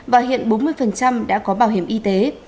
và hiện bốn mươi đã có bảo hiểm y tế